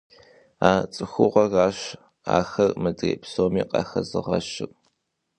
А цӀыхугъэращ ахэр мыдрей псоми къахэзыгъэщыр.